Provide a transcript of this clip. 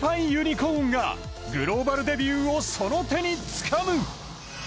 ｃｏｒｎがグローバルデビューをその手につかむ。